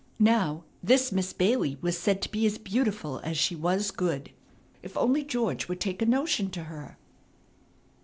Now this Miss Bailey was said to be as beautiful as she was good. If only George would take a notion to her!